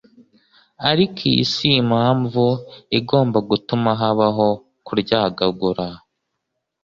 Ariko iyi si impamvu igomba gutuma habaho kuryagagura.